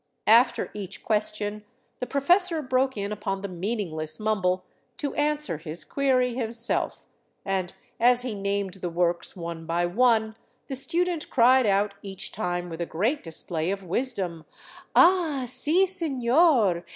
After each question the professor broke in upon the meaningless mumble to answer his query himself, and as he named the works one by one, the student cried out each time with a great display of wisdom, " Ah, si, seiior